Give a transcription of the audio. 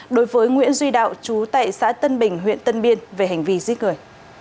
đối với nguyễn duy đạo chú tại xã tân bình huyện tân biên về hành vi giết người